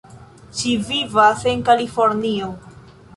Ŝi vivas en Kalifornio.